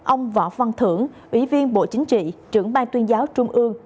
ông võ văn thưởng ủy viên bộ chính trị trưởng ban tuyên giáo trung ương